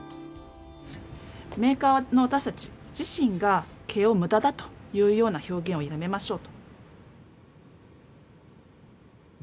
メーカーの私たち自身が毛をムダだというような表現をやめましょうと。